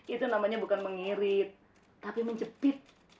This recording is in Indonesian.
itu namanya bukan mengirit tapi menjepit